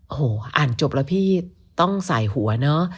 โอ้โหอ่านจบแล้วพี่ต้องใส่หัวเนอะ